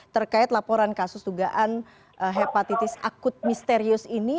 terkait laporan kasus dugaan hepatitis akut misterius ini